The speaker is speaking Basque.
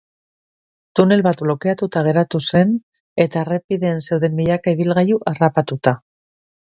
Tunel bat blokeatuta geratu zen eta errepiden zeuden milaka ibilgailu harrapatuta.